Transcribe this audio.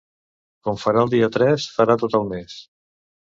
Com farà el dia tres, farà tot el mes.